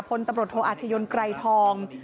พลตำรวจโทอาชญนไกรทอง